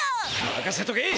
まかせとけ！